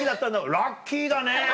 ラッキーだね。